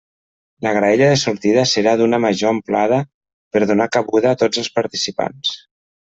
La graella de sortida serà d'una major amplada per donar cabuda a tots els participants.